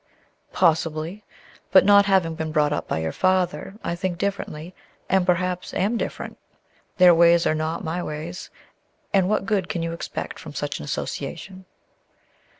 "Possibly. But not having been brought up by your father, I think differently, and perhaps am different. Their ways are not my ways; and what good can you expect from such association?"